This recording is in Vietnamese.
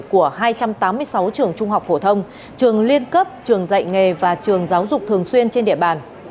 của hai trăm tám mươi sáu trường trung học phổ thông trường liên cấp trường dạy nghề và trường giáo dục thường xuyên trên địa bàn